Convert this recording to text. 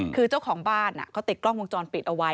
คือเจ้าของบ้านเขาติดกล้องวงจรปิดเอาไว้